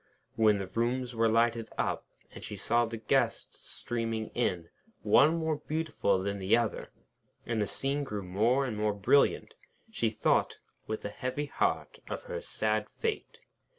When the rooms were lighted up, and she saw the guests streaming in, one more beautiful than the other, and the scene grew more and more brilliant, she thought, with a heavy heart, of her sad fate.